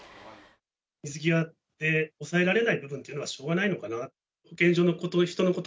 水際で抑えられない部分というのはしょうがないのかなと。